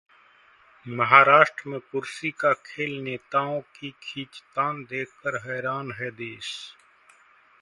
महाराष्ट्र में कुर्सी का खेलः नेताओं की खींचतान देखकर हैरान है देश!